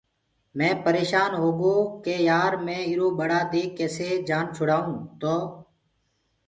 مي پريشآنٚ هوگو ڪي يآر مي ايٚرو ٻڙآ دي ڪيسي جآن ڇُڙآئونٚ تو